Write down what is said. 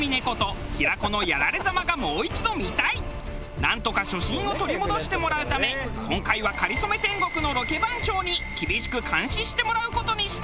なんとか初心を取り戻してもらうため今回は『かりそめ天国』のロケ番長に厳しく監視してもらう事にした。